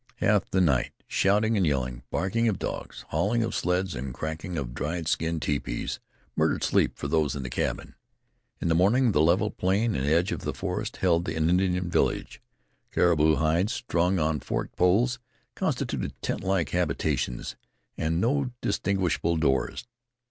Half the night, shouting and yelling, barking dogs, hauling of sleds and cracking of dried skin tepees murdered sleep for those in the cabin. In the morning the level plain and edge of the forest held an Indian village. Caribou hides, strung on forked poles, constituted tent like habitations with no distinguishable doors.